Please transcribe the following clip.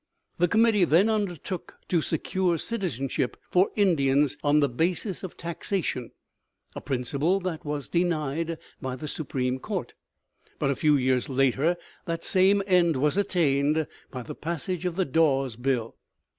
The committee then undertook to secure citizenship for Indians on the basis of taxation, a principle that was denied by the Supreme Court; but a few years later the same end was attained by the passage of the "Dawes bill."